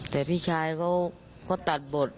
แต่พี่ชายเขาตัดบท